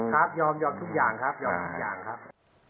ครับยอมยอมทุกอย่างครับ